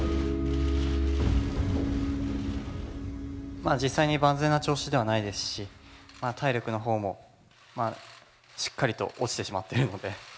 まあ実際に万全な調子ではないですし体力の方もしっかりと落ちてしまっているので。